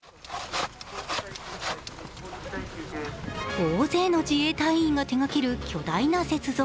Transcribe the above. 大勢の自衛隊員が手掛ける巨大な雪像。